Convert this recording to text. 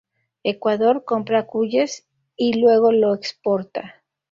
Ecuador compra cuyes y luego lo exporta.